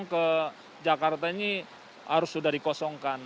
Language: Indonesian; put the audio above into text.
ke jakarta ini harus sudah dikosongkan